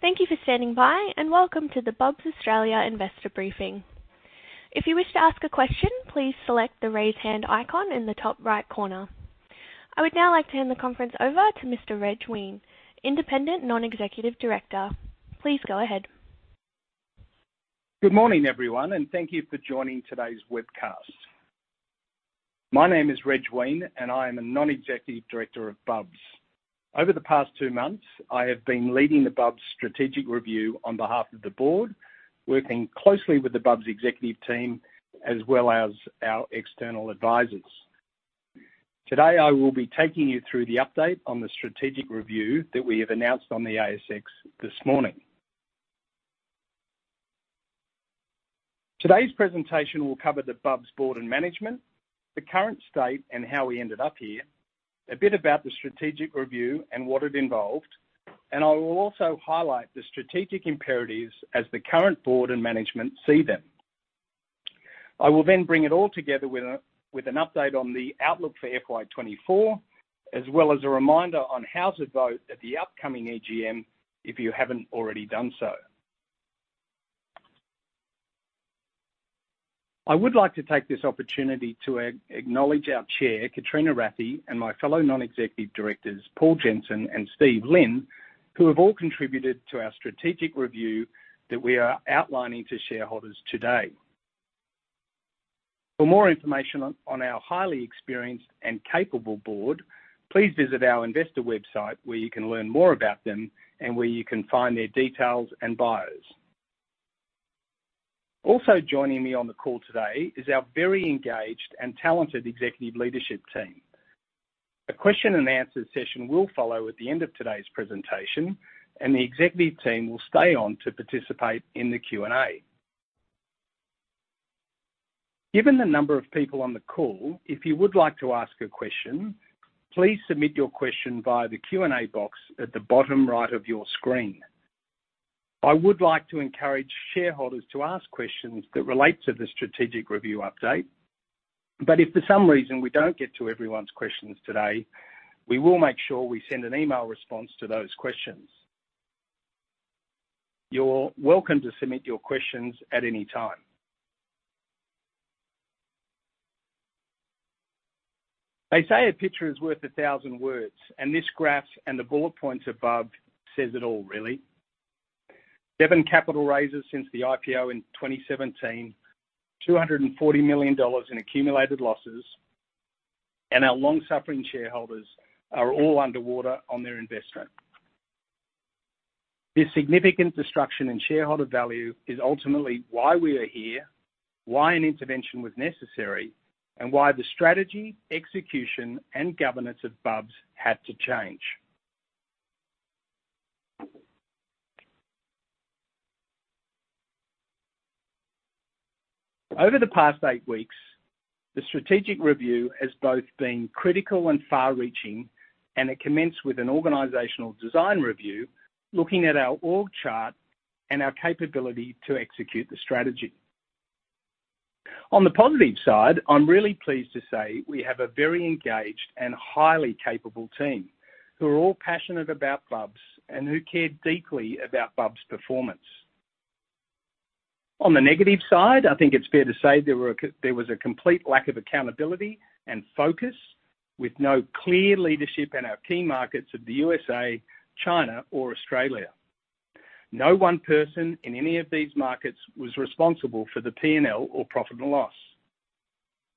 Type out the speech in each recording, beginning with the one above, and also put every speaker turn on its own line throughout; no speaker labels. Thank you for standing by, and welcome to the Bubs Australia Investor Briefing. If you wish to ask a question, please select the Raise Hand icon in the top right corner. I would now like to hand the conference over to Mr. Reg Weine, Independent Non-Executive Director. Please go ahead.
Good morning, everyone, and thank you for joining today's webcast. My name is Reg Weine, and I am a non-executive director of Bubs. Over the past two months, I have been leading the Bubs strategic review on behalf of the board, working closely with the Bubs executive team, as well as our external advisors. Today, I will be taking you through the update on the strategic review that we have announced on the ASX this morning. Today's presentation will cover the Bubs board and management, the current state and how we ended up here, a bit about the strategic review and what it involved, and I will also highlight the strategic imperatives as the current board and management see them. I will then bring it all together with an update on the outlook for FY24, as well as a reminder on how to vote at the upcoming AGM if you haven't already done so. I would like to take this opportunity to acknowledge our chair, Katrina Rathie, and my fellow non-executive directors, Paul Jensen and Steve Lin, who have all contributed to our strategic review that we are outlining to shareholders today. For more information on our highly experienced and capable board, please visit our investor website, where you can learn more about them and where you can find their details and bios. Also joining me on the call today is our very engaged and talented executive leadership team. A question and answer session will follow at the end of today's presentation, and the executive team will stay on to participate in the Q&A. Given the number of people on the call, if you would like to ask a question, please submit your question via the Q&A box at the bottom right of your screen. I would like to encourage shareholders to ask questions that relate to the strategic review update. If for some reason we don't get to everyone's questions today, we will make sure we send an email response to those questions. You're welcome to submit your questions at any time. They say a picture is worth 1,000 words. This graph and the bullet points above says it all, really. Seven capital raises since the IPO in 2017, 240 million dollars in accumulated losses. Our long-suffering shareholders are all underwater on their investment. This significant destruction in shareholder value is ultimately why we are here, why an intervention was necessary, and why the strategy, execution, and governance of Bubs had to change. Over the past eight weeks, the strategic review has both been critical and far-reaching, and it commenced with an organizational design review, looking at our org chart and our capability to execute the strategy. On the positive side, I'm really pleased to say we have a very engaged and highly capable team who are all passionate about Bubs and who care deeply about Bubs' performance. On the negative side, I think it's fair to say there was a complete lack of accountability and focus, with no clear leadership in our key markets of the USA, China, or Australia. No one person in any of these markets was responsible for the P&L or profit and loss.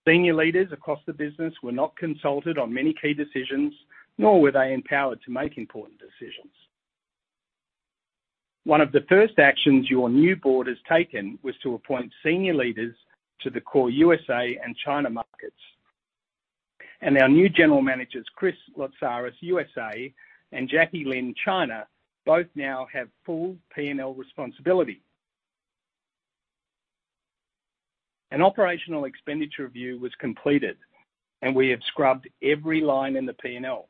Senior leaders across the business were not consulted on many key decisions, nor were they empowered to make important decisions. Our new General Managers, Chris Lotsaris, USA, and Jackie Lin, China, both now have full P&L responsibility. An operational expenditure review was completed, and we have scrubbed every line in the P&L.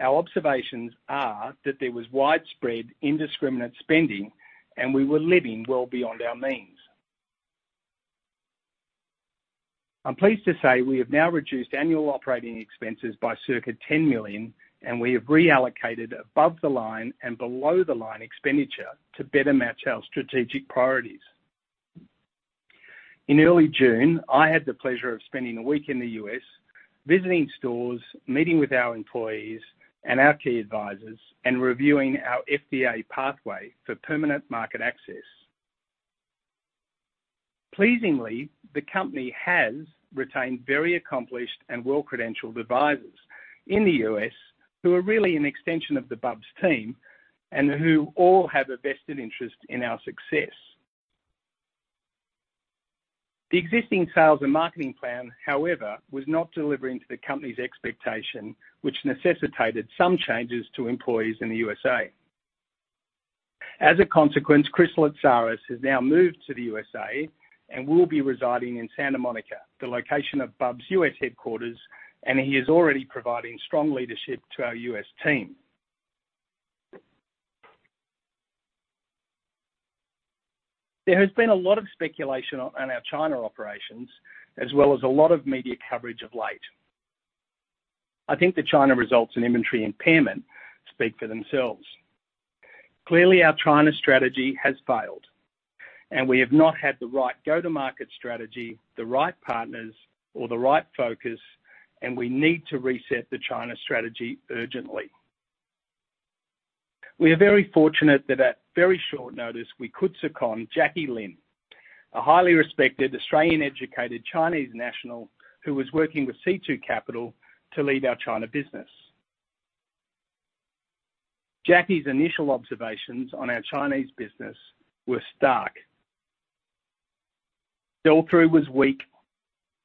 Our observations are that there was widespread indiscriminate spending, and we were living well beyond our means. I'm pleased to say we have now reduced annual operating expenses by circa 10 million, and we have reallocated above the line and below the line expenditure to better match our strategic priorities. In early June, I had the pleasure of spending a week in the U.S., visiting stores, meeting with our employees and our key advisors, and reviewing our FDA pathway for permanent market access. Pleasingly, the company has retained very accomplished and well-credentialed advisors in the U.S. who are really an extension of the Bubs team and who all have a vested interest in our success. The existing sales and marketing plan, however, was not delivering to the company's expectation, which necessitated some changes to employees in the USA. As a consequence, Chris Lotsaris has now moved to the USA and will be residing in Santa Monica, the location of Bubs' U.S. headquarters, and he is already providing strong leadership to our U.S. team. There has been a lot of speculation on our China operations, as well as a lot of media coverage of late. I think the China results and inventory impairment speak for themselves. Clearly, our China strategy has failed, and we have not had the right go-to-market strategy, the right partners, or the right focus, and we need to reset the China strategy urgently. We are very fortunate that at very short notice, we could second Jackie Lin, a highly respected Australian-educated Chinese national, who was working with C2 Capital to lead our China business. Jackie's initial observations on our Chinese business were stark. Sell-through was weak.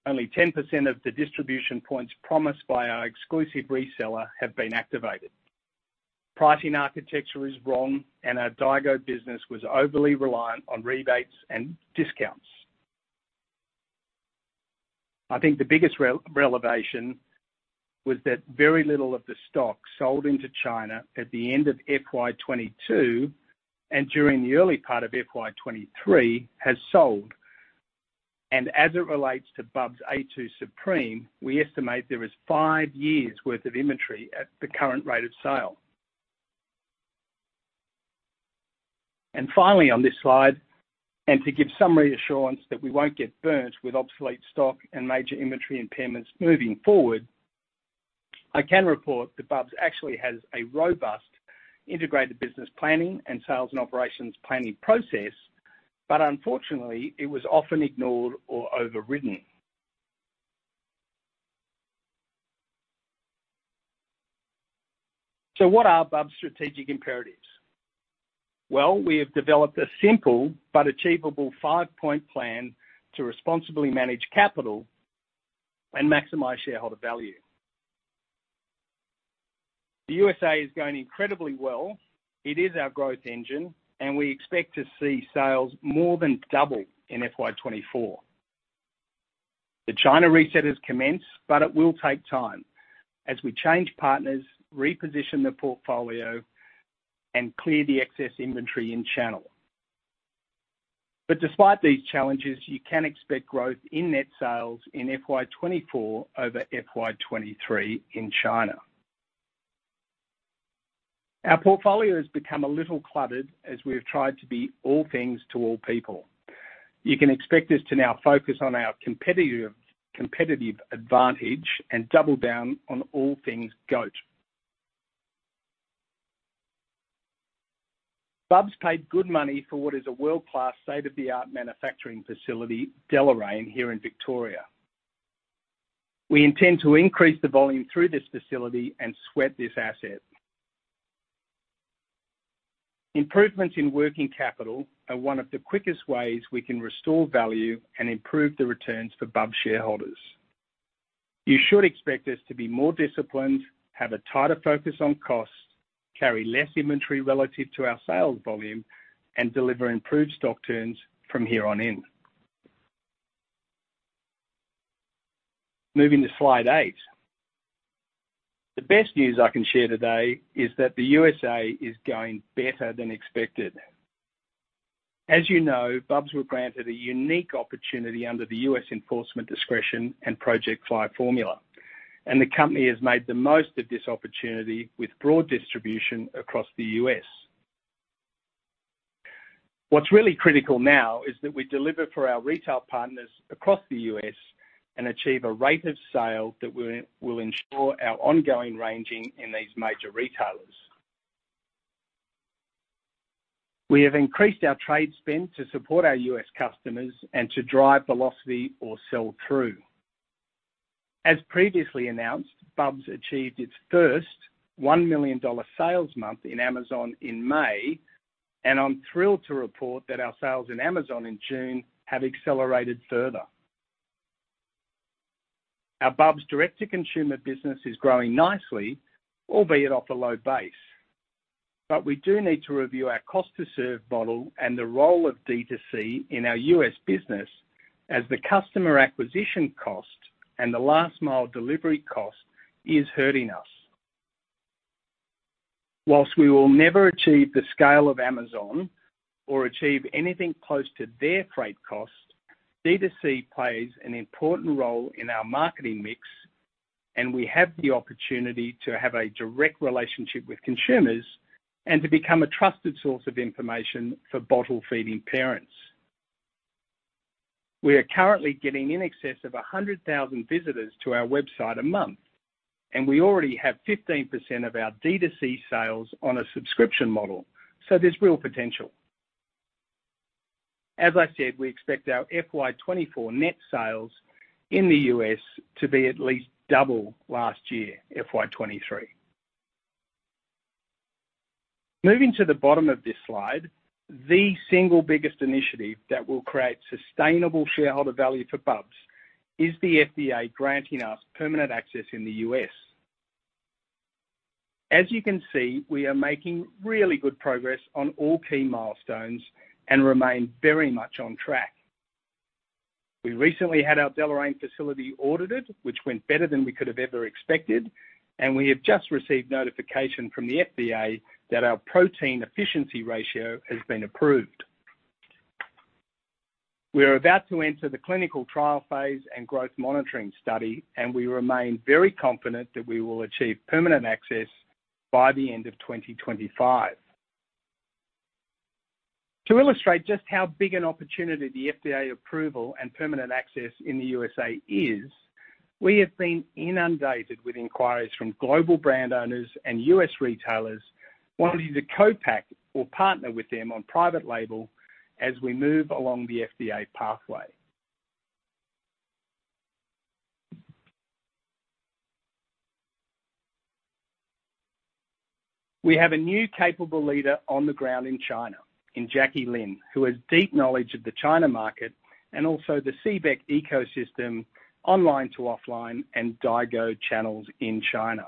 Only 10% of the distribution points promised by our exclusive reseller have been activated. Pricing architecture is wrong, and our Daigou business was overly reliant on rebates and discounts. I think the biggest re- revelation was that very little of the stock sold into China at the end of FY22, and during the early part of FY23, has sold. As it relates to Bubs A2 Supreme, we estimate there is 5 years' worth of inventory at the current rate of sale. Finally, on this slide, and to give some reassurance that we won't get burnt with obsolete stock and major inventory impairments moving forward, I can report that Bubs actually has a robust integrated business planning and sales and operations planning process, but unfortunately, it was often ignored or overridden. What are Bubs' strategic imperatives? Well, we have developed a simple but achievable 5-point plan to responsibly manage capital and maximize shareholder value. The USA is going incredibly well. It is our growth engine, and we expect to see sales more than double in FY24. The China reset has commenced, but it will take time as we change partners, reposition the portfolio, and clear the excess inventory in channel. Despite these challenges, you can expect growth in net sales in FY24 over FY23 in China. Our portfolio has become a little cluttered as we have tried to be all things to all people. You can expect us to now focus on our competitive advantage and double down on all things goat. Bubs paid good money for what is a world-class, state-of-the-art manufacturing facility, Deloraine, here in Victoria. We intend to increase the volume through this facility and sweat this asset. Improvements in working capital are one of the quickest ways we can restore value and improve the returns for Bubs shareholders. You should expect us to be more disciplined, have a tighter focus on costs, carry less inventory relative to our sales volume, and deliver improved stock turns from here on in. Moving to slide 8. The best news I can share today is that the USA is going better than expected. As you know, Bubs were granted a unique opportunity under the U.S. Enforcement Discretion and Operation Fly Formula, the company has made the most of this opportunity with broad distribution across the U.S. What's really critical now is that we deliver for our retail partners across the U.S. and achieve a rate of sale that will ensure our ongoing ranging in these major retailers. We have increased our trade spend to support our U.S. customers and to drive velocity or sell through. As previously announced, Bubs achieved its first $1 million sales month in Amazon in May, I'm thrilled to report that our sales in Amazon in June have accelerated further. Our Bubs direct-to-consumer business is growing nicely, albeit off a low base. We do need to review our cost-to-serve model and the role of D2C in our U.S. business, as the customer acquisition cost and the last-mile delivery cost is hurting us. While we will never achieve the scale of Amazon or achieve anything close to their freight cost, D2C plays an important role in our marketing mix, and we have the opportunity to have a direct relationship with consumers and to become a trusted source of information for bottle-feeding parents. We are currently getting in excess of 100,000 visitors to our website a month, and we already have 15% of our D2C sales on a subscription model, so there's real potential. As I said, we expect our FY24 net sales in the U.S. to be at least double last year, FY23. Moving to the bottom of this slide, the single biggest initiative that will create sustainable shareholder value for Bubs is the FDA granting us permanent access in the US. As you can see, we are making really good progress on all key milestones and remain very much on track. We recently had our Deloraine facility audited, which went better than we could have ever expected, and we have just received notification from the FDA that our Protein Efficiency Ratio has been approved. We are about to enter the clinical trial phase and Growth Monitoring Study, and we remain very confident that we will achieve permanent access by the end of 2025. To illustrate just how big an opportunity the FDA approval and permanent access in the USA is, we have been inundated with inquiries from global brand owners and US retailers wanting to co-pack or partner with them on private label as we move along the FDA pathway. We have a new capable leader on the ground in China, in Jackie Lin, who has deep knowledge of the China market and also the CBEC ecosystem, online to offline, and Daigou channels in China.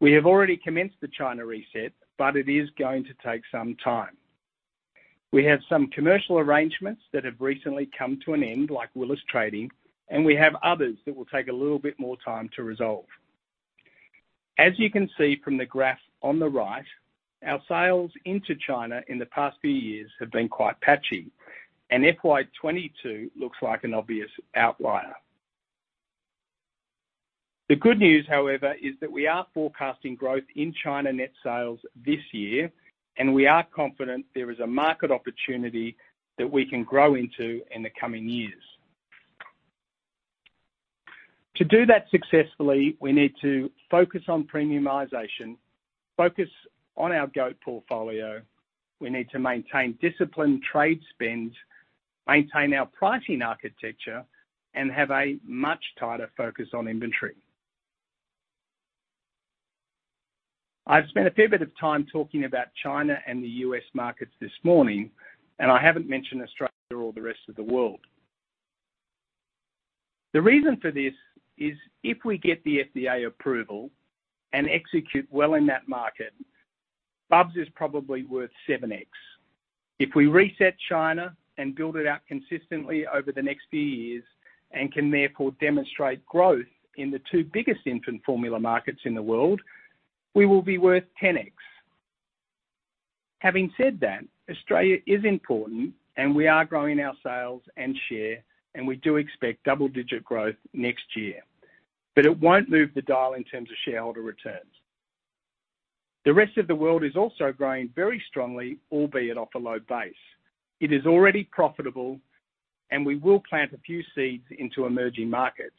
We have already commenced the China reset. It is going to take some time. We have some commercial arrangements that have recently come to an end, like Willis Trading. We have others that will take a little bit more time to resolve. As you can see from the graph on the right, our sales into China in the past few years have been quite patchy. FY22 looks like an obvious outlier. The good news, however, is that we are forecasting growth in China net sales this year. We are confident there is a market opportunity that we can grow into in the coming years. To do that successfully, we need to focus on premiumization, focus on our goat portfolio, we need to maintain disciplined trade spend, maintain our pricing architecture, and have a much tighter focus on inventory. I've spent a fair bit of time talking about China and the US markets this morning, and I haven't mentioned Australia or the rest of the world. The reason for this is if we get the FDA approval and execute well in that market, Bubs is probably worth 7x. If we reset China and build it out consistently over the next few years, and can therefore demonstrate growth in the two biggest infant formula markets in the world, we will be worth 10x. Having said that, Australia is important and we are growing our sales and share, and we do expect double-digit growth next year, but it won't move the dial in terms of shareholder returns. The rest of the world is also growing very strongly, albeit off a low base. It is already profitable and we will plant a few seeds into emerging markets.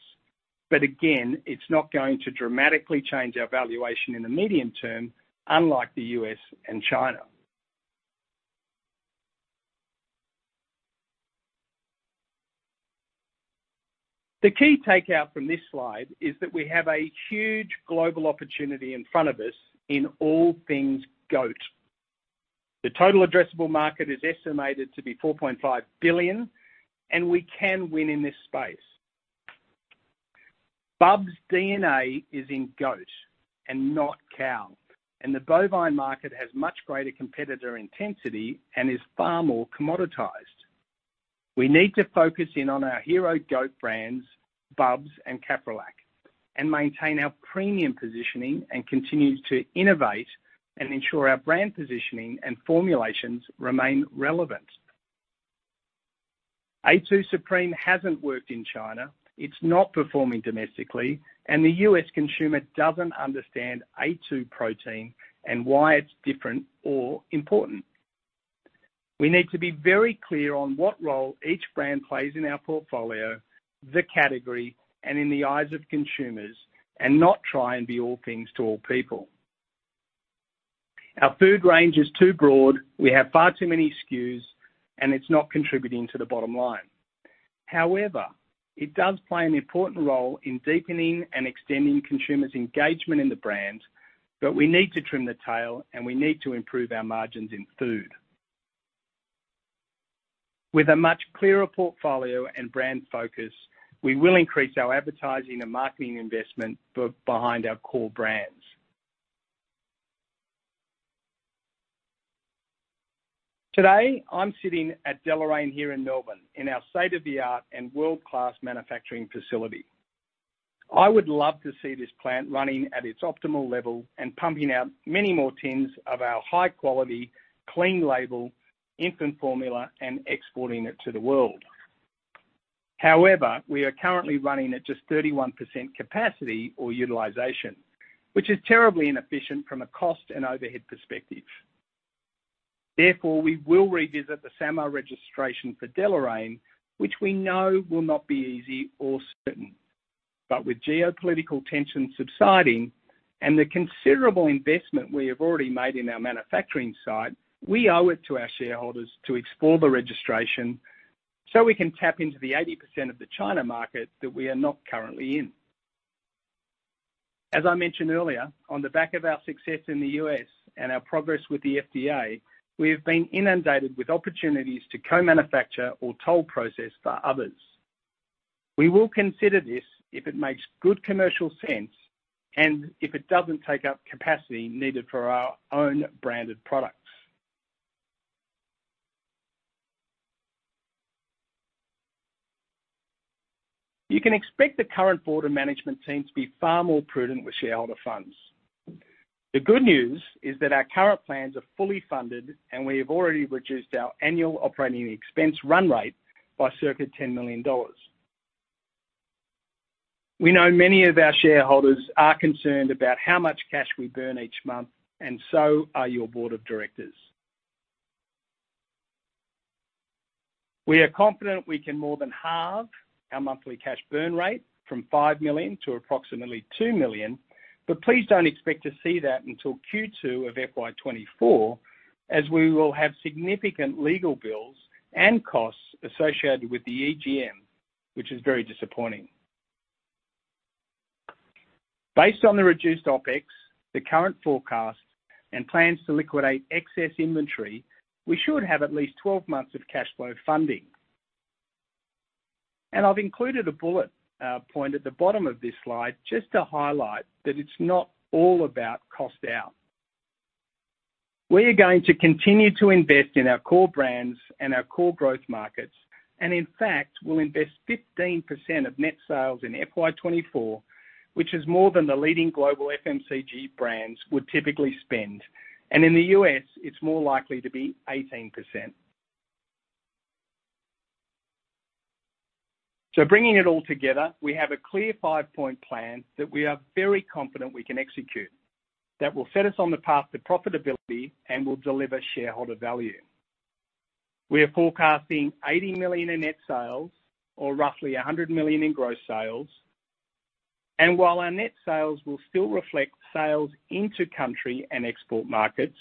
Again, it's not going to dramatically change our valuation in the medium term, unlike the U.S. and China. The key takeout from this slide is that we have a huge global opportunity in front of us in all things goat. The total addressable market is estimated to be $4.5 billion. We can win in this space. Bubs' DNA is in goat and not cow. The bovine market has much greater competitor intensity and is far more commoditized. We need to focus in on our hero goat brands, Bubs and CapriLac, and maintain our premium positioning and continue to innovate and ensure our brand positioning and formulations remain relevant. A2 Supreme hasn't worked in China. It's not performing domestically. The US consumer doesn't understand A2 protein and why it's different or important. We need to be very clear on what role each brand plays in our portfolio, the category, and in the eyes of consumers. Not try and be all things to all people. Our food range is too broad. We have far too many SKUs. It's not contributing to the bottom line. It does play an important role in deepening and extending consumers' engagement in the brand, but we need to trim the tail and we need to improve our margins in food. With a much clearer portfolio and brand focus, we will increase our advertising and marketing investment behind our core brands. Today, I'm sitting at Deloraine here in Melbourne, in our state-of-the-art and world-class manufacturing facility. I would love to see this plant running at its optimal level and pumping out many more tins of our high-quality, clean label, infant formula, and exporting it to the world. We are currently running at just 31% capacity or utilization, which is terribly inefficient from a cost and overhead perspective. We will revisit the SAMR registration for Deloraine, which we know will not be easy or certain. With geopolitical tensions subsiding and the considerable investment we have already made in our manufacturing site, we owe it to our shareholders to explore the registration so we can tap into the 80% of the China market that we are not currently in. As I mentioned earlier, on the back of our success in the U.S. and our progress with the FDA, we have been inundated with opportunities to co-manufacture or toll process for others. We will consider this if it makes good commercial sense and if it doesn't take up capacity needed for our own branded products. You can expect the current board and management team to be far more prudent with shareholder funds. The good news is that our current plans are fully funded, and we have already reduced our annual operating expense run rate by circa 10 million dollars. We know many of our shareholders are concerned about how much cash we burn each month, and so are your board of directors. We are confident we can more than halve our monthly cash burn rate from 5 million to approximately 2 million, but please don't expect to see that until Q2 of FY24, as we will have significant legal bills and costs associated with the EGM, which is very disappointing. Based on the reduced OpEx, the current forecast, and plans to liquidate excess inventory, we should have at least 12 months of cash flow funding. I've included a bullet point at the bottom of this slide just to highlight that it's not all about cost out. We are going to continue to invest in our core brands and our core growth markets, in fact, we'll invest 15% of net sales in FY24, which is more than the leading global FMCG brands would typically spend. In the U.S., it's more likely to be 18%. Bringing it all together, we have a clear five-point plan that we are very confident we can execute, that will set us on the path to profitability and will deliver shareholder value. We are forecasting 80 million in net sales, or roughly 100 million in gross sales. While our net sales will still reflect sales into country and export markets,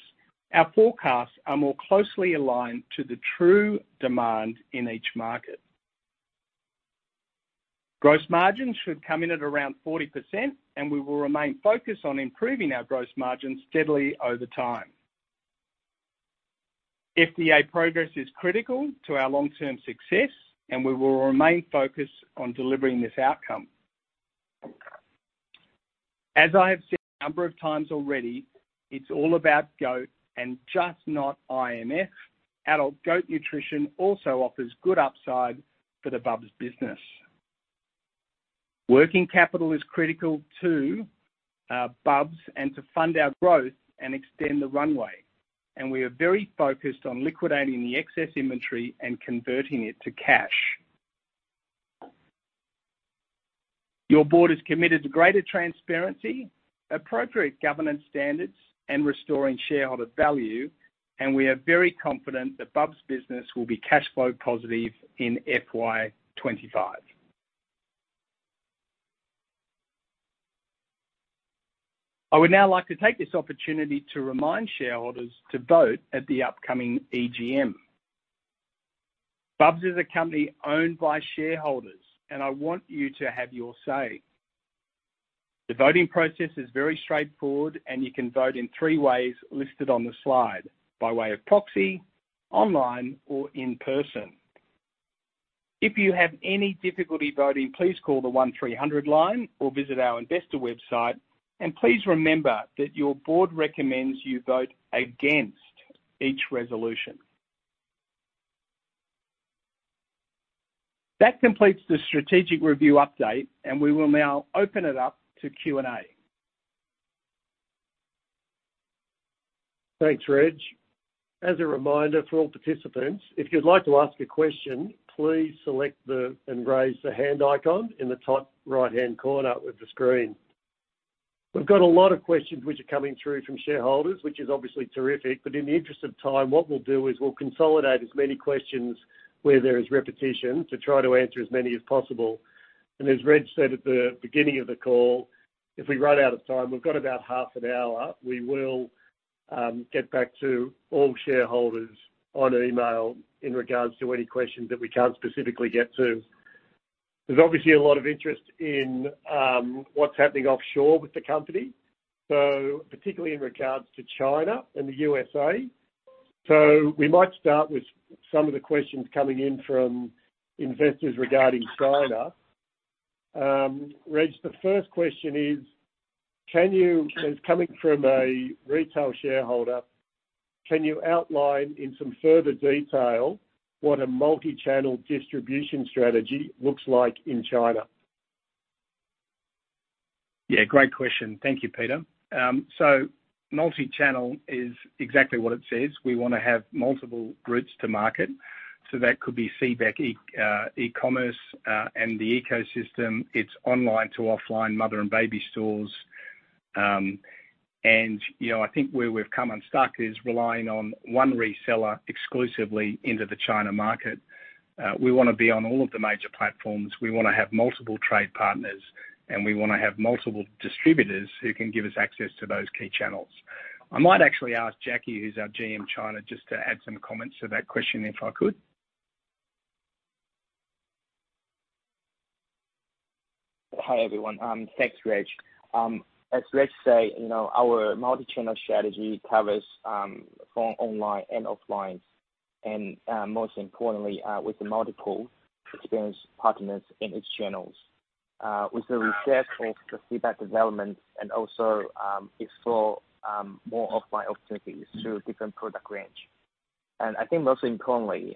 our forecasts are more closely aligned to the true demand in each market. Gross margins should come in at around 40%, and we will remain focused on improving our gross margins steadily over time. FDA progress is critical to our long-term success, and we will remain focused on delivering this outcome. As I have said a number of times already, it's all about goat and just not IMF. Adult goat nutrition also offers good upside for the Bubs business. Working capital is critical to Bubs, and to fund our growth and extend the runway, and we are very focused on liquidating the excess inventory and converting it to cash. Your board is committed to greater transparency, appropriate governance standards, and restoring shareholder value, and we are very confident that Bubs business will be cash flow positive in FY25. I would now like to take this opportunity to remind shareholders to vote at the upcoming EGM. Bubs is a company owned by shareholders, and I want you to have your say. The voting process is very straightforward, and you can vote in three ways listed on the slide: by way of proxy, online, or in person. If you have any difficulty voting, please call the 1300 line or visit our investor website, and please remember that your board recommends you vote against each resolution. That completes the strategic review update, and we will now open it up to Q&A.
Thanks, Reg. As a reminder for all participants, if you'd like to ask a question, please raise the hand icon in the top right-hand corner of the screen. We've got a lot of questions which are coming through from shareholders, which is obviously terrific. In the interest of time, what we'll do is we'll consolidate as many questions where there is repetition, to try to answer as many as possible. As Reg said at the beginning of the call, if we run out of time, we've got about half an hour, we will get back to all shareholders on email in regards to any questions that we can't specifically get to. There's obviously a lot of interest in what's happening offshore with the company, particularly in regards to China and the USA. We might start with some of the questions coming in from investors regarding China. Reg, the first question is, it's coming from a retail shareholder, "Can you outline in some further detail what a multi-channel distribution strategy looks like in China?
Yeah, great question. Thank you, Peter. Multi-channel is exactly what it says. We want to have multiple routes to market, so that could be feedback, e-commerce, and the ecosystem. It's online to offline mother and baby stores. You know, I think where we've come unstuck is relying on one reseller exclusively into the China market. We wanna be on all of the major platforms, we wanna have multiple trade partners, and we wanna have multiple distributors who can give us access to those key channels. I might actually ask Jackie, who's our GM, China, just to add some comments to that question, if I could?
Hi, everyone. Thanks, Reg. As Reg says, you know, our multi-channel strategy covers from online and offline, and most importantly, with the multiple experienced partners in each channels. With the research of the feedback development and also explore more offline opportunities through different product range. I think most importantly,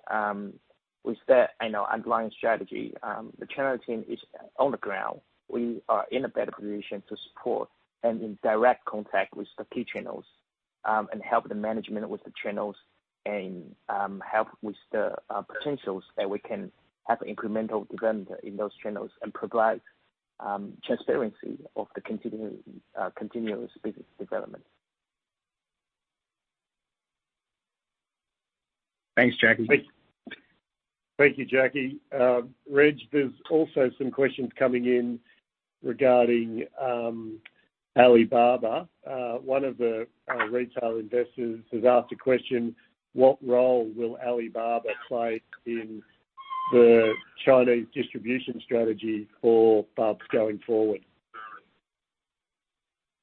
with that, I know underlying strategy, the channel team is on the ground. We are in a better position to support and in direct contact with the key channels, and help the management with the channels and help with the potentials that we can have incremental development in those channels and provide transparency of the continuous business development.
Thanks, Jackie.
Thank you, Jackie. Reg, there's also some questions coming in regarding Alibaba. One of the, our retail investors has asked a question: What role will Alibaba play in the Chinese distribution strategy for Bubs going forward?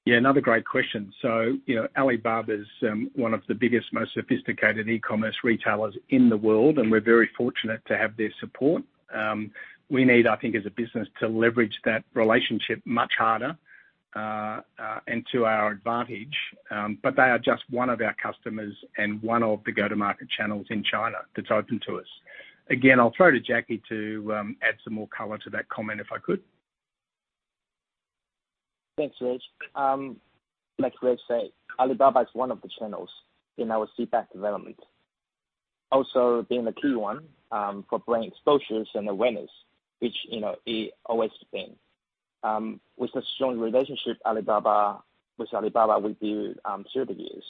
Yeah, another great question. You know, Alibaba is one of the biggest, most sophisticated e-commerce retailers in the world, and we're very fortunate to have their support. We need, I think, as a business, to leverage that relationship much harder and to our advantage, but they are just one of our customers and one of the go-to-market channels in China that's open to us. Again, I'll throw to Jackie to add some more color to that comment, if I could.
Thanks, Reg. Like Reg said, Alibaba is one of the channels in our feedback development. Also, being a key one, for brand exposures and awareness, which, you know, it always been. With a strong relationship with Alibaba, we build through the years.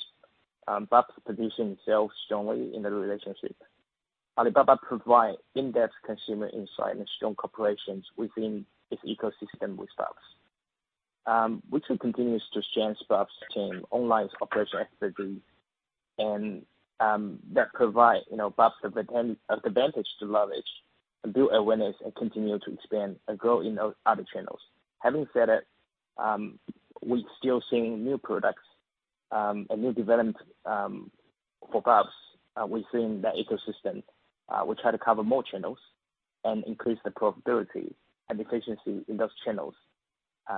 Bubs position itself strongly in the relationship. Alibaba provide in-depth consumer insight and strong corporations within its ecosystem with Bubs. Which will continues to strengthen Bubs team, online operation expertise, and that provide, you know, Bubs the advantage to leverage and build awareness and continue to expand and grow in those other channels. Having said it, we're still seeing new products, and new development for Bubs. We've seen that ecosystem. We try to cover more channels and increase the profitability and efficiency in those channels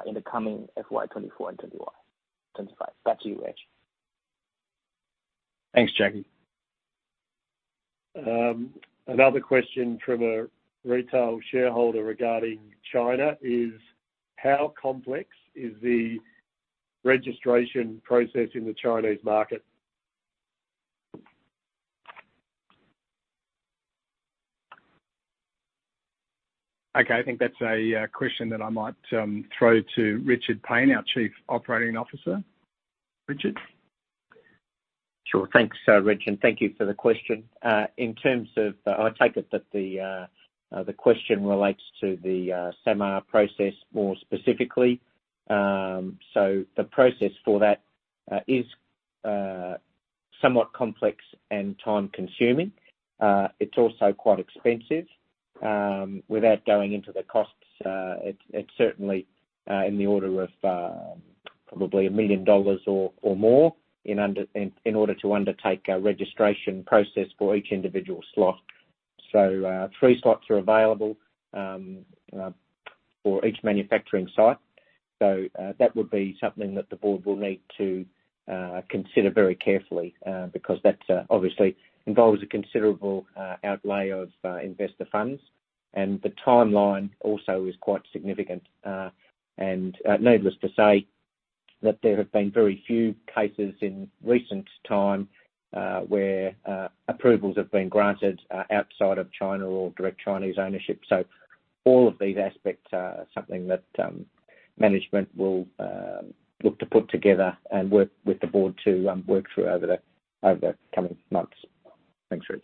in the coming FY24 and 25. Back to you, Reg.
Thanks, Jackie.
Another question from a retail shareholder regarding China is: How complex is the registration process in the Chinese market?
I think that's a question that I might throw to Richard Paine, our Chief Operating Officer. Richard?
Sure. Thanks, Reg. Thank you for the question. In terms of, I take it that the question relates to the SAMR process more specifically. The process for that is somewhat complex and time-consuming. It's also quite expensive. Without going into the costs, it's certainly in the order of probably 1 million dollars or more in order to undertake a registration process for each individual slot. Three slots are available for each manufacturing site. That would be something that the board will need to consider very carefully because that obviously involves a considerable outlay of investor funds, the timeline also is quite significant. Needless to say, that there have been very few cases in recent time, where approvals have been granted outside of China or direct Chinese ownership. All of these aspects are something that management will look to put together and work with the board to work through over the coming months. Thanks, Reg.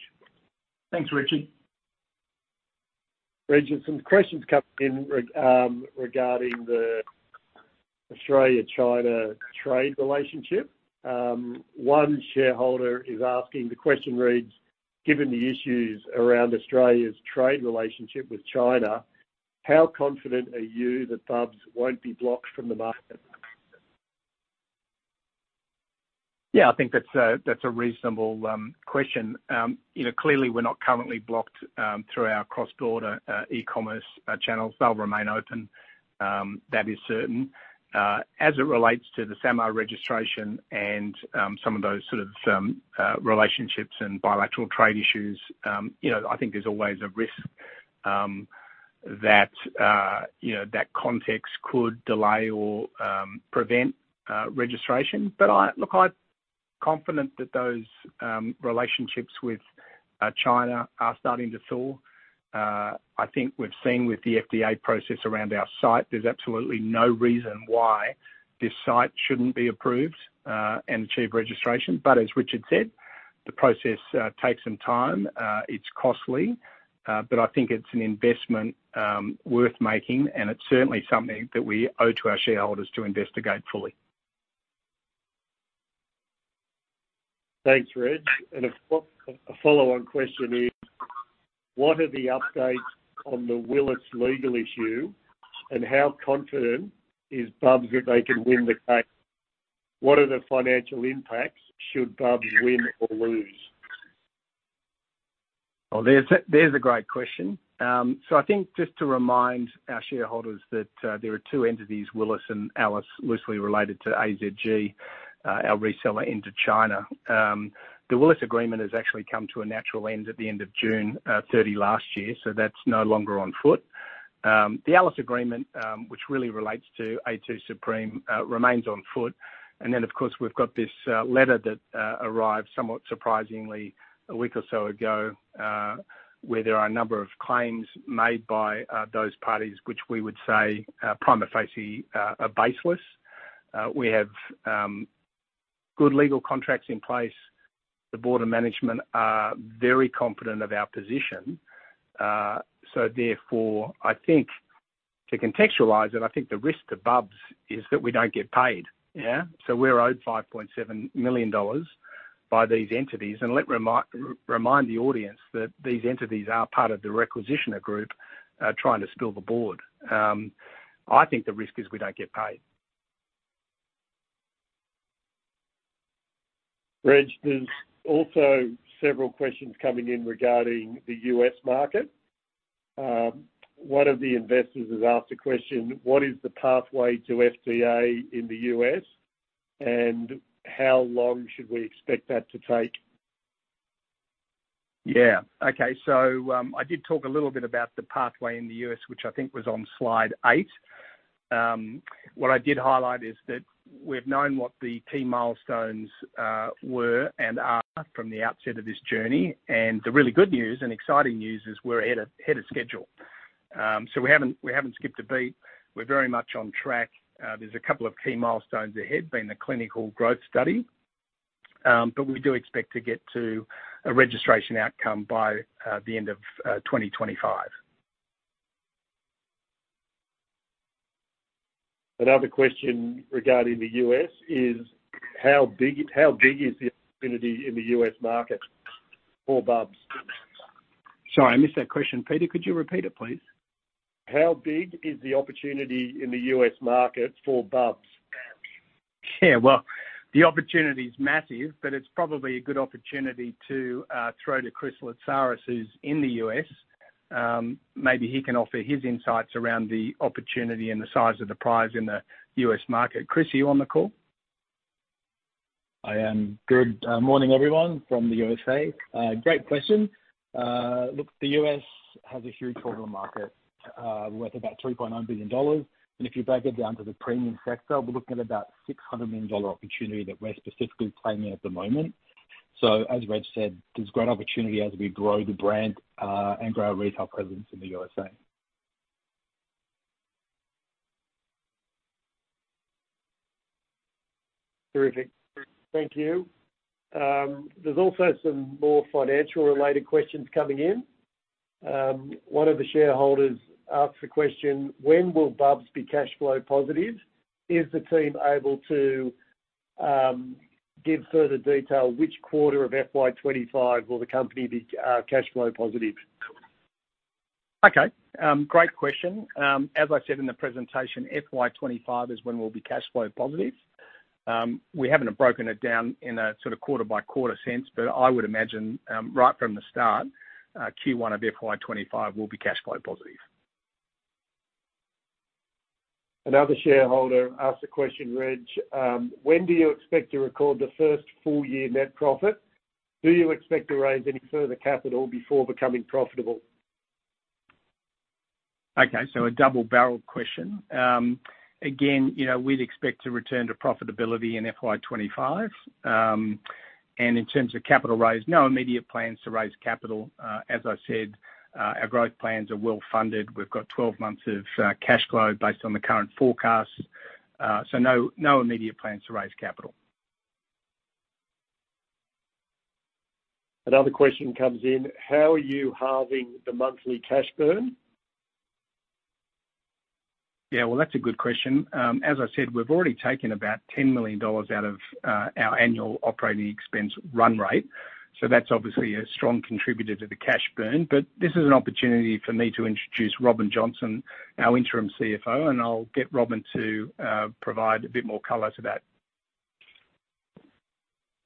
Thanks, Richard. Reg, some questions come in regarding the Australia-China trade relationship. One shareholder is asking, the question reads: Given the issues around Australia's trade relationship with China, how confident are you that Bubs won't be blocked from the market?
I think that's a reasonable question. You know, clearly, we're not currently blocked through our cross-border e-commerce channels. They'll remain open, that is certain. As it relates to the SAMR registration and some of those sort of relationships and bilateral trade issues, you know, I think there's always a risk that, you know, that context could delay or prevent registration. Look, I'm confident that those relationships with China are starting to thaw. I think we've seen with the FDA process around our site, there's absolutely no reason why this site shouldn't be approved and achieve registration. As Richard said, the process takes some time. It's costly, but I think it's an investment worth making, and it's certainly something that we owe to our shareholders to investigate fully.
Thanks, Reg. A follow-on question is, what are the updates on the Willis legal issue, and how confident is Bubs that they can win the case? What are the financial impacts should Bubs win or lose?
Well, there's a great question. I think just to remind our shareholders that there are two entities, Willis and Alice, loosely related to AZG, our reseller into China. The Willis agreement has actually come to a natural end at the end of June 30 last year, so that's no longer on foot. The Alice agreement, which really relates to A2 Supreme, remains on foot. Then, of course, we've got this letter that arrived somewhat surprisingly a week or so ago, where there are a number of claims made by those parties, which we would say, prima facie, are baseless. We have good legal contracts in place. The board of management are very confident of our position. Therefore, I think to contextualize it, I think the risk to Bubs is that we don't get paid. Yeah. We're owed 5.7 million dollars by these entities. Let remind the audience that these entities are part of the requisitioner group, trying to spill the board. I think the risk is we don't get paid.
Reg, there's also several questions coming in regarding the U.S. market. One of the investors has asked a question: What is the pathway to FDA in the U.S., and how long should we expect that to take?
Yeah. Okay. I did talk a little bit about the pathway in the U.S., which I think was on slide 8. What I did highlight is that we've known what the key milestones were, and are from the outset of this journey. The really good news and exciting news is we're ahead of schedule. We haven't skipped a beat. We're very much on track. There's a couple of key milestones ahead, being the clinical growth study, but we do expect to get to a registration outcome by the end of 2025.
Another question regarding the U.S. is: How big is the opportunity in the U.S. market for Bubs?
Sorry, I missed that question. Peter, could you repeat it, please?
How big is the opportunity in the US market for Bubs?
The opportunity is massive, but it's probably a good opportunity to throw to Chris Lotsaris, who's in the U.S. Maybe he can offer his insights around the opportunity and the size of the prize in the U.S. market. Chris, are you on the call?
I am. Good morning, everyone, from the USA. Great question. Look, the US has a huge total market, worth about $3.9 billion. If you break it down to the premium sector, we're looking at about $600 million opportunity that we're specifically claiming at the moment. As Reg said, there's great opportunity as we grow the brand, and grow our retail presence in the USA.
Terrific. Thank you. There's also some more financial-related questions coming in. One of the shareholders asked the question: When will Bubs be cash flow positive? Is the team able to give further detail, which quarter of FY25 will the company be cash flow positive?
Great question. As I said in the presentation, FY25 is when we'll be cash flow positive. We haven't broken it down in a sort of quarter-by-quarter sense, but I would imagine, right from the start, Q1 of FY25 will be cash flow positive.
Another shareholder asked a question, Reg Weine: When do you expect to record the first full year net profit? Do you expect to raise any further capital before becoming profitable?
Okay, a double-barreled question. Again, you know, we'd expect to return to profitability in FY25. In terms of capital raise, no immediate plans to raise capital. As I said, our growth plans are well-funded. We've got 12 months of cash flow based on the current forecast. No immediate plans to raise capital.
Another question comes in: How are you halving the monthly cash burn?
Yeah, well, that's a good question. As I said, we've already taken about 10 million dollars out of our annual operating expense run rate, so that's obviously a strong contributor to the cash burn. This is an opportunity for me to introduce Robin Johnston, our interim CFO, and I'll get Robin to provide a bit more color to that.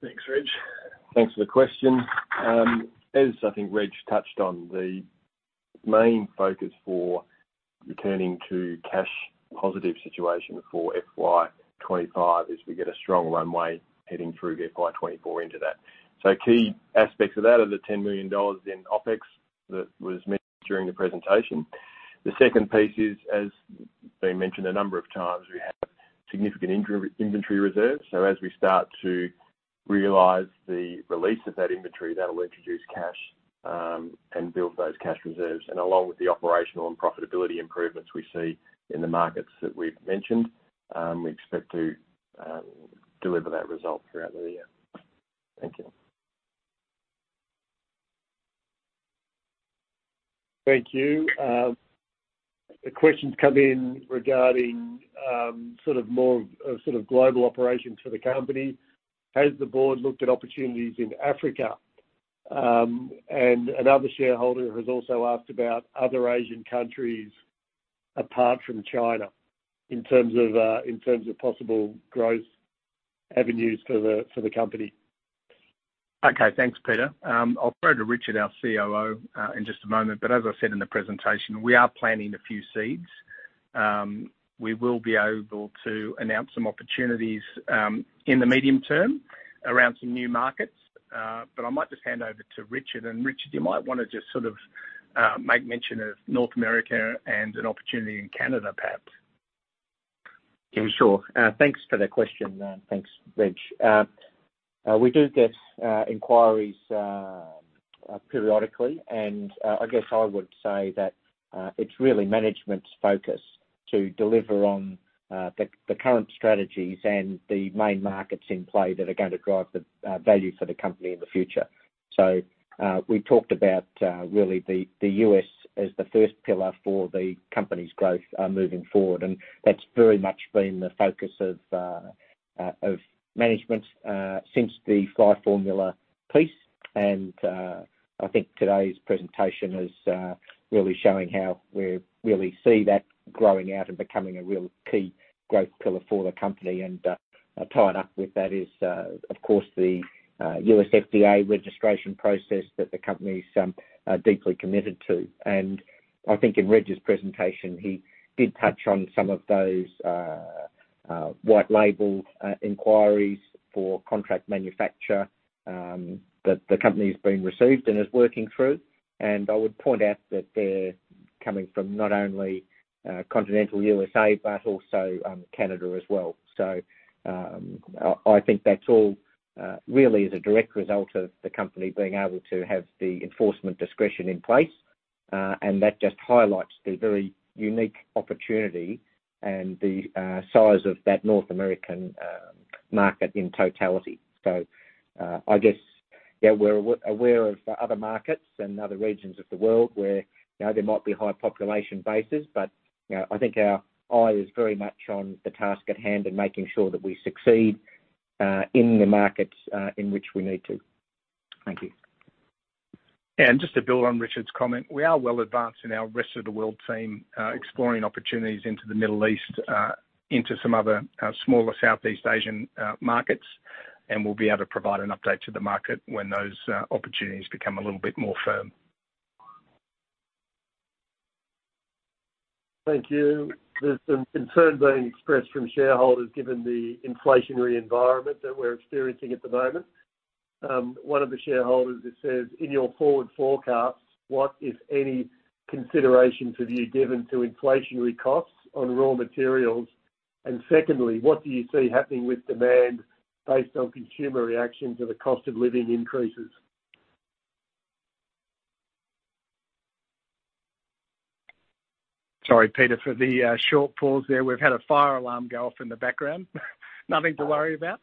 Thanks, Reg.
Thanks for the question. As I think Reg touched on, the main focus for returning to cash positive situation for FY25 is we get a strong runway heading through FY24 into that. Key aspects of that are the 10 million dollars in OpEx that was mentioned during the presentation. The second piece is, as been mentioned a number of times, we have significant inventory reserves. As we start to realize the release of that inventory, that will introduce cash and build those cash reserves. Along with the operational and profitability improvements we see in the markets that we've mentioned, we expect to deliver that result throughout the year. Thank you.
Thank you. The question's come in regarding, sort of more of, a sort of global operations for the company. Has the board looked at opportunities in Africa? Another shareholder has also asked about other Asian countries apart from China, in terms of possible growth avenues for the company.
Okay, thanks, Peter. I'll throw to Richard, our COO, in just a moment, but as I said in the presentation, we are planting a few seeds. We will be able to announce some opportunities in the medium term around some new markets. But I might just hand over to Richard. Richard, you might wanna just sort of, make mention of North America and an opportunity in Canada, perhaps.
Yeah, sure. Thanks for the question, thanks, Reg. We do get inquiries periodically, and I guess I would say that it's really management's focus to deliver on the current strategies and the main markets in play that are going to drive the value for the company in the future. We talked about really the US as the first pillar for the company's growth moving forward, and that's very much been the focus of management since the Fly formula piece. I think today's presentation is really showing how we really see that growing out and becoming a real key growth pillar for the company. Tied up with that is, of course, the U.S. FDA registration process that the company's deeply committed to. I think in Reg's presentation, he did touch on some of those white label inquiries for contract manufacture that the company's been received and is working through. I would point out that they're coming from not only continental USA, but also Canada as well. I think that's all really as a direct result of the company being able to have the Enforcement Discretion in place. That just highlights the very unique opportunity and the size of that North American market in totality. I guess, yeah, we're aware of other markets and other regions of the world where, you know, there might be high population bases, but, you know, I think our eye is very much on the task at hand and making sure that we succeed in the markets in which we need to. Thank you.
Just to build on Richard's comment, we are well advanced in our rest of the world team, exploring opportunities into the Middle East, into some other, smaller Southeast Asian markets, and we'll be able to provide an update to the market when those opportunities become a little bit more firm.
Thank you. There's some concern being expressed from shareholders, given the inflationary environment that we're experiencing at the moment. One of the shareholders says: In your forward forecasts, what, if any, considerations have you given to inflationary costs on raw materials? Secondly, what do you see happening with demand based on consumer reaction to the cost of living increases?
Sorry, Peter, for the short pause there. We've had a fire alarm go off in the background. Nothing to worry about.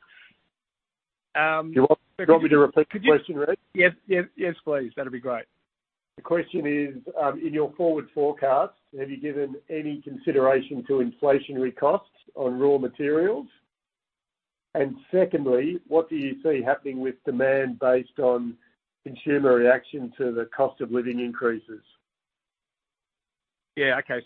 You want me to repeat the question, Reg?
Yes, yes, please. That'd be great.
The question is, in your forward forecast, have you given any consideration to inflationary costs on raw materials? Secondly, what do you see happening with demand based on consumer reaction to the cost of living increases?
Yeah, okay.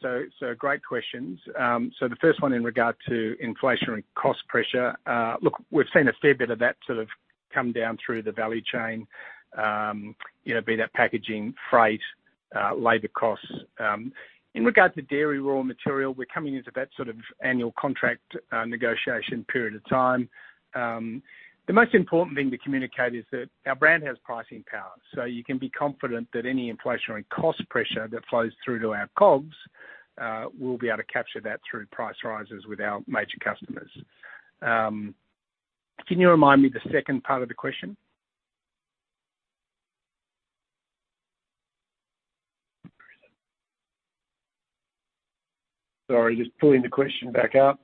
Great questions. The first one in regard to inflationary cost pressure, look, we've seen a fair bit of that sort of come down through the value chain, you know, be that packaging, freight, labor costs. In regards to dairy raw material, we're coming into that sort of annual contract negotiation period of time. The most important thing to communicate is that our brand has pricing power. You can be confident that any inflationary cost pressure that flows through to our COGS, we'll be able to capture that through price rises with our major customers. Can you remind me the second part of the question?
Sorry, just pulling the question back up.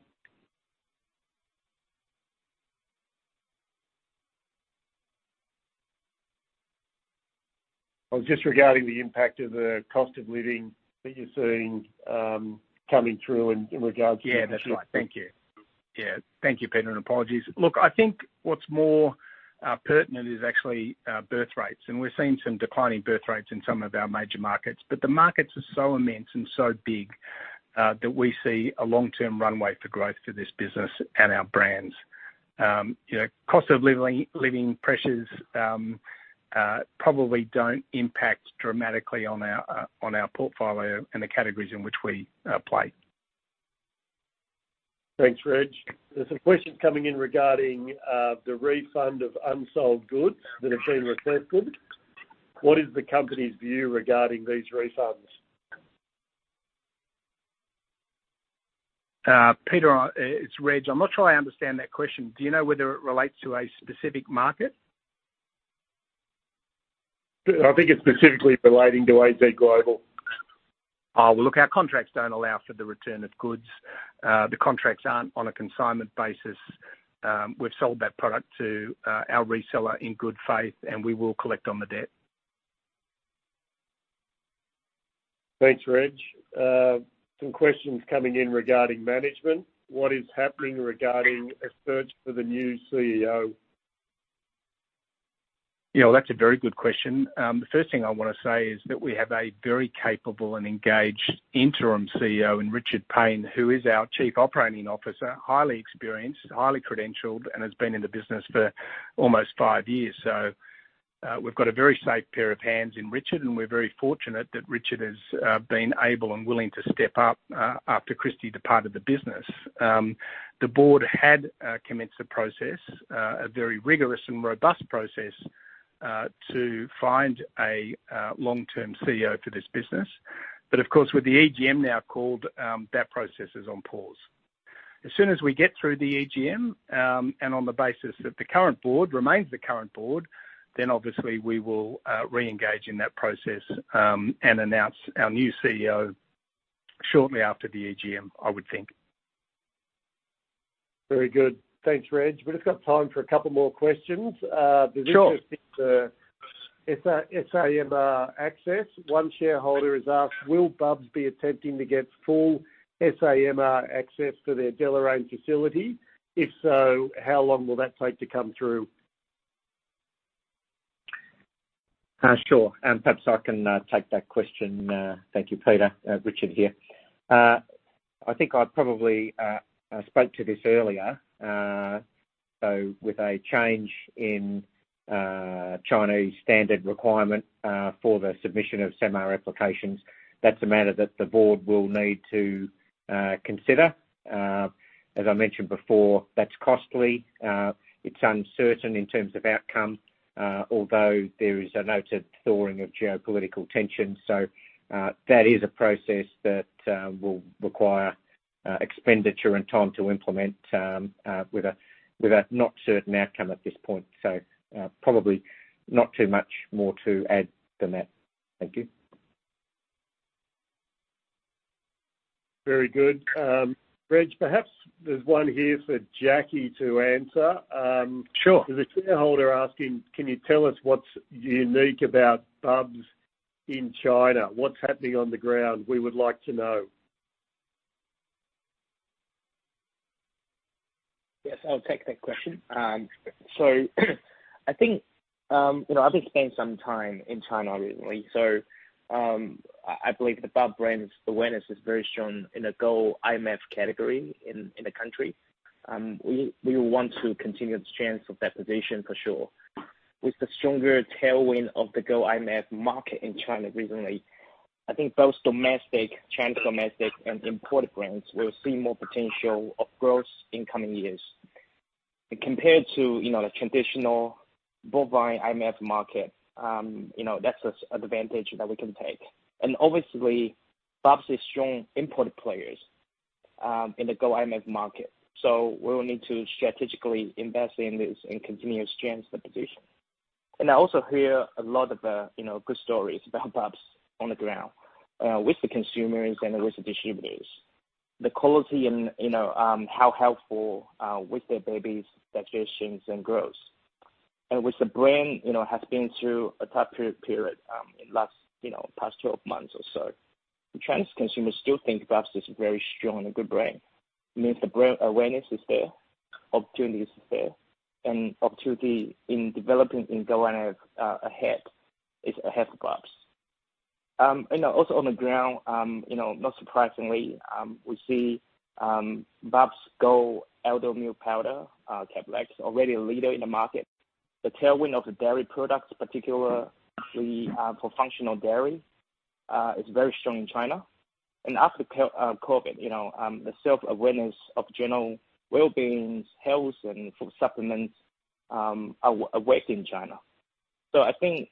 Well, just regarding the impact of the cost of living that you're seeing, coming through in regards to-
That's right. Thank you. Thank you, Peter, and apologies. I think what's more pertinent is actually birth rates, and we're seeing some declining birth rates in some of our major markets. The markets are so immense and so big that we see a long-term runway for growth to this business and our brands. You know, cost of living pressures probably don't impact dramatically on our portfolio and the categories in which we play.
Thanks, Reg. There's a question coming in regarding the refund of unsold goods that have been reflected. What is the company's view regarding these refunds?
Peter, it's Reg. I'm not sure I understand that question. Do you know whether it relates to a specific market?
I think it's specifically relating to AZ Global.
Well, look, our contracts don't allow for the return of goods. The contracts aren't on a consignment basis. We've sold that product to our reseller in good faith, we will collect on the debt.
Thanks, Reg. Some questions coming in regarding management. What is happening regarding a search for the new CEO?
Well, that's a very good question. The first thing I wanna say is that we have a very capable and engaged interim CEO in Richard Paine, who is our Chief Operating Officer, highly experienced, highly credentialed, and has been in the business for almost five years. We've got a very safe pair of hands in Richard, and we're very fortunate that Richard has been able and willing to step up after Kristy departed the business. The board had commenced a process, a very rigorous and robust process, to find a long-term CEO for this business. Of course, with the EGM now called, that process is on pause. As soon as we get through the EGM, and on the basis that the current board remains the current board, obviously we will reengage in that process, and announce our new CEO shortly after the EGM, I would think.
Very good. Thanks, Reg. We've just got time for a couple more questions.
Sure.
There's interest in SAMR access. One shareholder has asked: Will Bubs be attempting to get full SAMR access to their Deloraine facility? If so, how long will that take to come through?
Sure, perhaps I can take that question. Thank you, Peter. Richard here. I think I probably spoke to this earlier, with a change in Chinese standard requirement for the submission of SAMR applications, that's a matter that the board will need to consider. As I mentioned before, that's costly. It's uncertain in terms of outcome, although there is a noted thawing of geopolitical tensions. That is a process that will require expenditure and time to implement, with a not certain outcome at this point. Probably not too much more to add than that. Thank you.
Very good. Reg, perhaps there's one here for Jackie to answer.
Sure.
There's a shareholder asking: Can you tell us what's unique about Bubs in China? What's happening on the ground? We would like to know.
I'll take that question. I think, you know, I've been spending some time in China recently, I believe the Bubs brand's awareness is very strong in the goat IMF category in the country. We want to continue the strength of that position for sure. With the stronger tailwind of the goat IMF market in China recently, I think both domestic, China domestic and imported brands will see more potential of growth in coming years. Compared to, you know, the traditional bovine IMF market, you know, that's an advantage that we can take. Obviously, Bubs is strong import players in the goat IMF market, so we will need to strategically invest in this and continue to strengthen the position. I also hear a lot of, you know, good stories about Bubs on the ground, with the consumers and with the distributors. The quality and, you know, how helpful, with their babies' digestions and growth. With the brand, you know, has been through a tough period, in the last, you know, past 12 months or so. Chinese consumers still think Bubs is a very strong and good brand. It means the brand awareness is there, opportunity is there, and opportunity in developing in goat IMF, ahead is ahead for Bubs. Now also on the ground, you know, not surprisingly, we see Bubs goat toddler milk powder, Kabrita, already a leader in the market. The tailwind of the dairy products, particularly, for functional dairy, is very strong in China. After COVID, you know, the self-awareness of general well-being, health, and food supplements, are awake in China. I think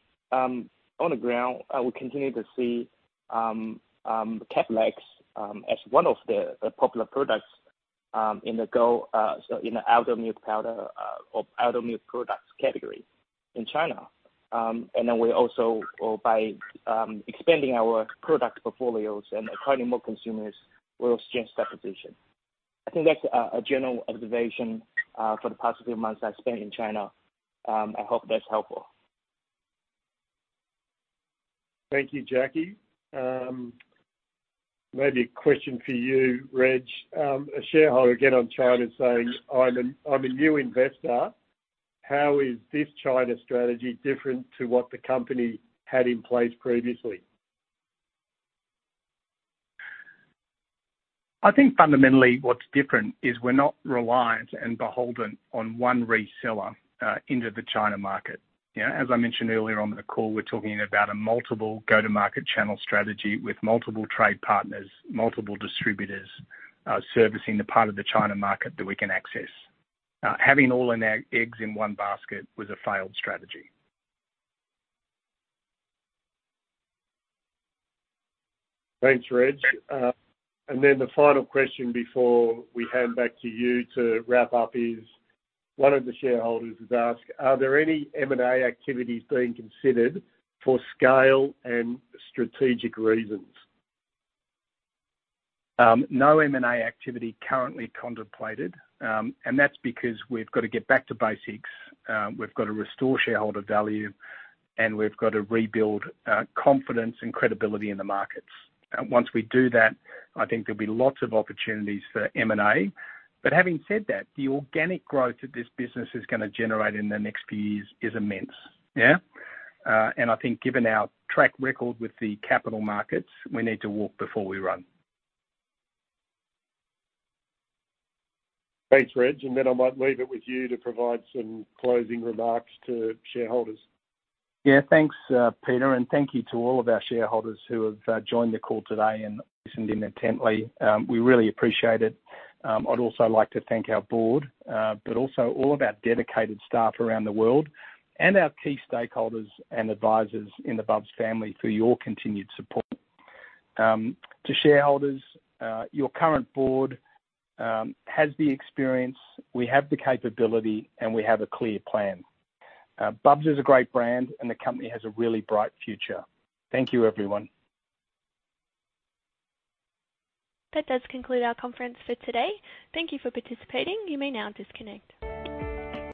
on the ground, I will continue to see Kabrita as one of the popular products in the toddler milk powder or elder milk products category in China. Then we also, or by expanding our product portfolios and acquiring more consumers, we'll strengthen that position. I think that's a general observation for the past few months I've spent in China. I hope that's helpful.
Thank you, Jackie. Maybe a question for you, Reg. A shareholder again on China saying: I'm a new investor. How is this China strategy different to what the company had in place previously?
I think fundamentally what's different is we're not reliant and beholden on one reseller, into the China market. As I mentioned earlier on in the call, we're talking about a multiple go-to-market channel strategy with multiple trade partners, multiple distributors, servicing the part of the China market that we can access. Having all eggs in one basket was a failed strategy.
Thanks, Reg. Then the final question before we hand back to you to wrap up is, one of the shareholders has asked: Are there any M&A activities being considered for scale and strategic reasons?
No M&A activity currently contemplated, that's because we've got to get back to basics. We've got to restore shareholder value, we've got to rebuild confidence and credibility in the markets. Once we do that, I think there'll be lots of opportunities for M&A. Having said that, the organic growth that this business is gonna generate in the next few years is immense. I think given our track record with the capital markets, we need to walk before we run.
Thanks, Reg. Then I might leave it with you to provide some closing remarks to shareholders.
Yeah. Thanks, Peter, and thank you to all of our shareholders who have joined the call today and listened in intently. We really appreciate it. I'd also like to thank our board, but also all of our dedicated staff around the world and our key stakeholders and advisors in the Bubs family for your continued support. To shareholders, your current board has the experience, we have the capability, and we have a clear plan. Bubs is a great brand, and the company has a really bright future. Thank you, everyone.
That does conclude our conference for today. Thank You for participating. You may now disconnect.